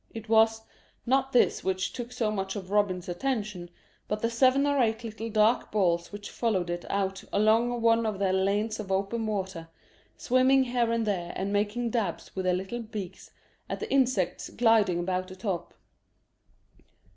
It was, not this which took so much of Robin's attention, but the seven or eight little dark balls which followed it out along one of the lanes of open water, swimming here and there and making dabs with their little beaks at the insects gliding about the top.